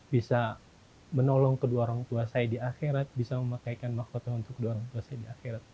bisa menolong kedua orang tua saya di akhirat bisa memakaikan mahkota untuk kedua orang tua saya di akhirat